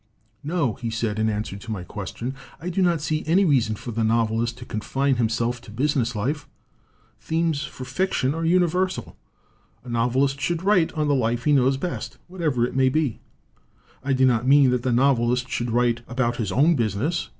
"No," he said, in answer to my question, "I do not see any reason for the novelist to confine himself to business life. Themes for fiction are universal. A novelist should write of the life he knows best, whatever it may be. "I do not mean that the novelist should write about his own business.